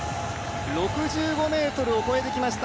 ６５ｍを越えてきました。